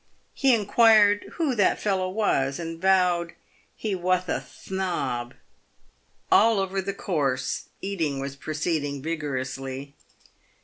He inquired w T ho that fellow was, and vowed "he wath a thnob." All over the course eating was proceeding vigorously.